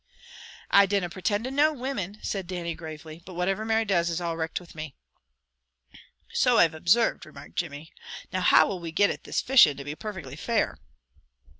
"I dinna pretend to know women," said Dannie gravely. "But whatever Mary does is all richt with me." "So I've obsarved," remarked Jimmy. "Now, how will we get at this fishin' to be parfectly fair?"